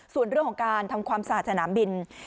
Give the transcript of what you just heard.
ส่วนเรื่องของการทำความสะอาดสนามบิน